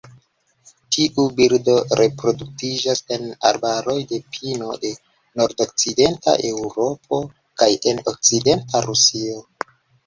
Tiu birdo reproduktiĝas en arbaroj de pino de nordokcidenta Eŭropo kaj en okcidenta Rusio.